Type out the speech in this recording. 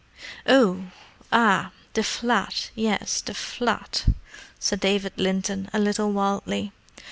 "Oh! Ah! The flat—yes, the flat!" said David Linton, a little wildly.